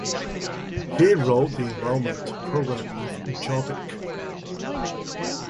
He wrote the environment programme of Jobbik.